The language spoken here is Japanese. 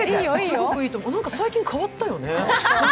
なんか最近変わったよね。